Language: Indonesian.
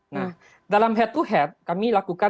nah dalam head to head kami lakukan